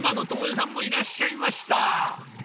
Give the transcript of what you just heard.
妻の知枝さんもいらっしゃいました。